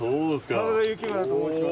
真田幸村と申します。